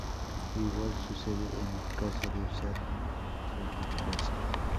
Igual sucede en el caso de usar celulosa.